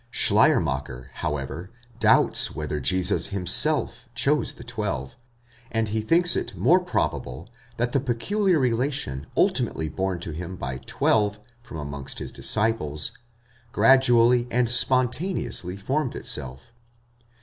Schleiermacher, however, doubts whether Jesus himself chose the twelve, and he thinks it more probable that the peculiar relation ultimately borne to him by twelve from amongst his disciples, gradually and spon taneously formed itself.?